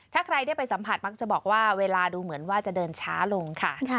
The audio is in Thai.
ถ้าใครได้ไปสัมผัสมักจะบอกว่าเวลาดูเหมือนว่าจะเดินช้าลงค่ะ